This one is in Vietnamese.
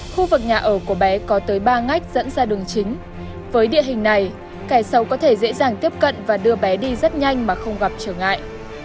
khu vực nhà ở của bé có tới ba ngách dẫn ra đường chính với địa hình này kẻ xấu có thể dễ dàng tiếp cận và đưa bé đi rất nhanh mà không gặp trở ngại